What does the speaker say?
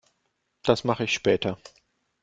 Das mache ich später.